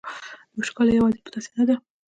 دا وچکالي یوازې په تاسې نه ده.